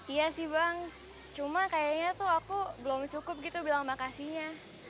iya sih bang cuma kayaknya tuh aku belum cukup gitu bilang sama kasihnya